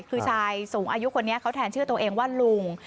คือชายสูงอายุคนนี้เขาแทนชื่อตัวเองว่าลุง